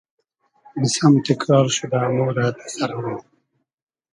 بیسئم تیکرار شودۂ مۉرۂ دۂ سئر مۉ